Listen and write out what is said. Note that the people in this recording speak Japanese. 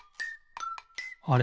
あれ？